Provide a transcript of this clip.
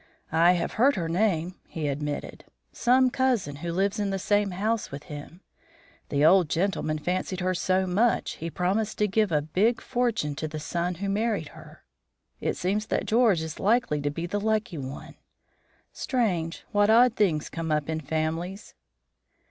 "I have heard her name," he admitted. "Some cousin, who lives in the same house with him. The old gentleman fancied her so much, he promised to give a big fortune to the son who married her. It seems that George is likely to be the lucky one. Strange, what odd things come up in families."